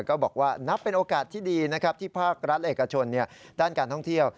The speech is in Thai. ก็บอกว่านับเป็นโอกาสที่ดีนะครับที่ภาครัฐเอกชนด้านการท่องเที่ยว